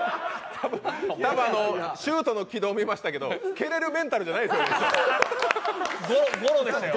多分シュートの軌道を見ましたけど、蹴れるメンタルじゃないですよね